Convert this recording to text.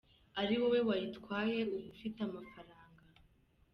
Ari wowe wayitwaye uba ufite amafaranga.